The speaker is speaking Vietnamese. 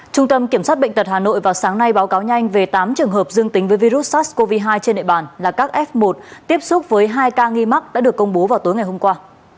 trung tâm kiểm soát bệnh tật hà nội vào sáng nay báo cáo nhanh về tám trường hợp dương tính với virus sars cov hai trên địa bàn là các f một tiếp xúc với hai ca nghi mắc đã được công bố vào tối ngày hôm qua